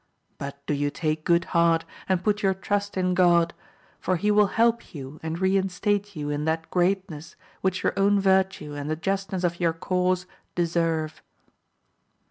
But do you take good heart, and put your trust in God, for he will help you and reinstate you in that greatness which your own virtue and the justness of your cause deserve.